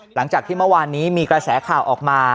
หลังจากที่เมื่อวานนี้มีกระแสข่าวออกมา